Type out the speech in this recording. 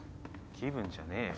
気分じゃねえよ。